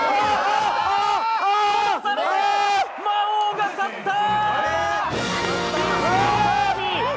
魔王が勝った！